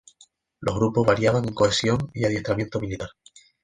Los grupos variaban en cohesión y en adiestramiento militar.